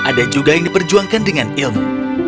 ada juga yang diperjuangkan dengan ilmu